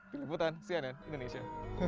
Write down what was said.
pilih butan cnn indonesia